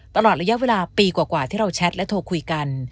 ตลอดระยะเวลาปีกว่าที่เราแชทและโทรคุยกัน